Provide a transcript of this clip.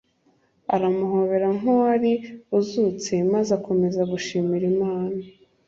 Aramuhobera nk’uwari uzutse, maze akomeza gushimira Imana